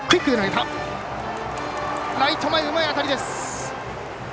ライト前うまい当たりです。